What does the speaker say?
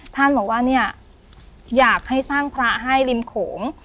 ท่านบอกว่าเนี่ยอยากให้สร้างพระให้ริมโขง